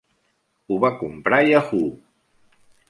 Ho va comprar Yahoo!